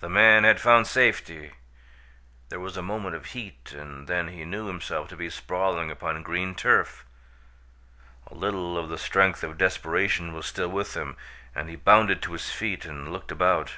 The man had found safety! There was a moment of heat and then he knew himself to be sprawling upon green turf. A little of the strength of desperation was still with him and he bounded to his feet and looked about.